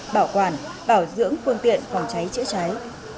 bảo quản bảo dưỡng phương tiện phòng cháy chữa cháy